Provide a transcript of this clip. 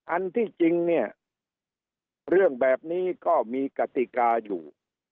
อันที่จริงเนี่ยเรื่องแบบนี้ก็มีกติกาอยู่